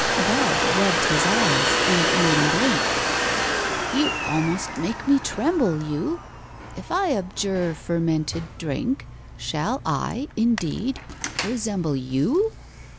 BOB rubbed his eyes, and made 'em blink: "You almost make me tremble, you! If I abjure fermented drink, Shall I, indeed, resemble you?